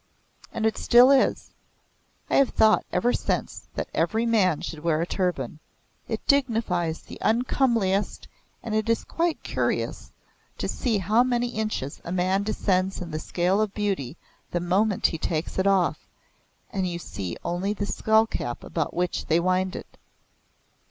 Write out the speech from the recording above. and it still is. I have thought ever since that every man should wear a turban. It dignifies the un comeliest and it is quite curious to see how many inches a man descends in the scale of beauty the moment he takes it off and you see only the skull cap about which they wind it.